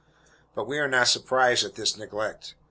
But we are not surprised at this neglect.